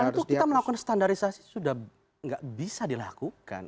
ujian nasional itu kita melakukan standarisasi sudah nggak bisa dilakukan